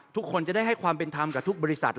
ทุกคนจะได้ความเป็นทำกับบริษัท